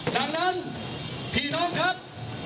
ดังนั้นพี่น้องครับ